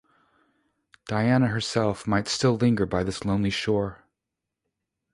Diana herself might still linger by this lonely shore.